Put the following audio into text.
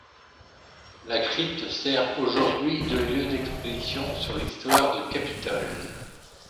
La crypte sert aujourd’hui de lieu d’exposition sur l’histoire de Capitole.